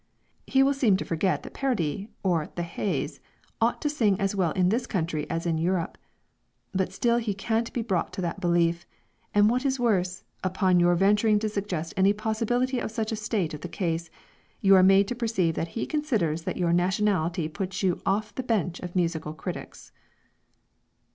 He will seem to forget that Parodi or "the Hays" ought to sing as well in this country as in Europe. But still he can't be brought to that belief; and what is worse, upon your venturing to suggest any possibility of such a state of the case, you are made to perceive that he considers that your nationality puts you off the bench of musical critics.